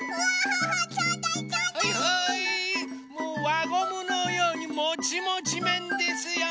わゴムのようにもちもちめんですよ！